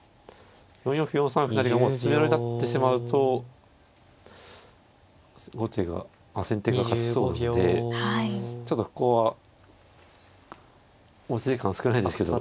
４四歩４三歩成がもう詰めろになってしまうと先手が勝ちそうなんでちょっとここは持ち時間少ないですけど。